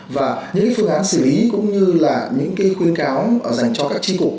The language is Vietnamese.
và những cái phương án xử lý cũng như là những cái khuyến cáo dành cho các tri cục